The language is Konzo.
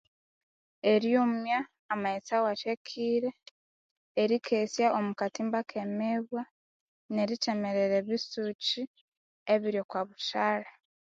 Eryomya amaghetse wathekire erikesya omukatimba kemibwa nerithemerera ebisuki ebiri okobuthalha